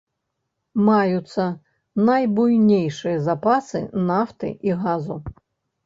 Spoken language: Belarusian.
Маюцца найбуйнейшыя запасы нафты і газу.